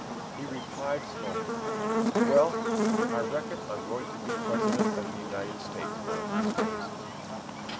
He replied slowly, "Well, I reckon I'm goin' to be President of the United States one of these days."